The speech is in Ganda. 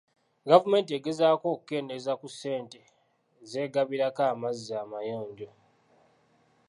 Gavumenti egezaako okukendeeza ku ssente z'egabirako amazzi amayonjo.